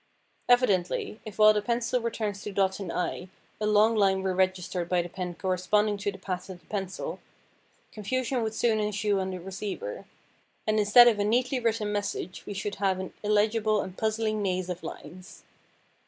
Evidently, if while the pencil returns to dot an i a long line were registered by the pen corresponding to the path of the pencil, confusion would soon ensue on the receiver; and instead of a neatly written message we should have an illegible and puzzling maze of lines.